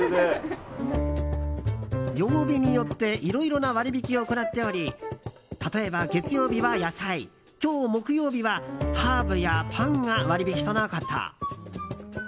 曜日によっていろいろな割引を行っており例えば、月曜日は野菜今日木曜日はハーブやパンが割引とのこと。